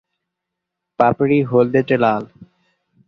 পাপড়ি হলদেটে লাল।